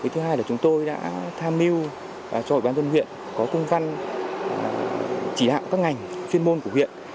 thứ hai là chúng tôi đã tham mưu cho ủy ban dân huyện có công văn chỉ đạo các ngành chuyên môn của huyện